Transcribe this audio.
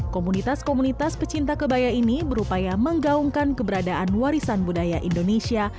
komunitas komunitas pecinta kebaya ini berupaya menggaungkan keberadaan warisan budaya indonesia